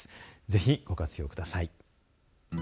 ぜひご活用ください。